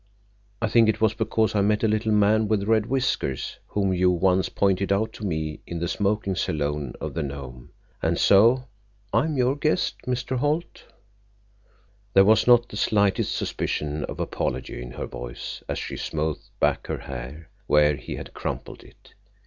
I think it was because I met a little man with red whiskers whom you once pointed out to me in the smoking salon on the Nome. And so—I am your guest, Mr. Holt." There was not the slightest suspicion of apology in her voice as she smoothed back her hair where he had crumpled it.